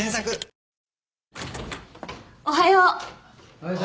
おはよう。